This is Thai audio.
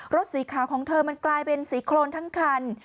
รถสีขาวของเธอมันกลายเป็นสีโครนทั้งคัน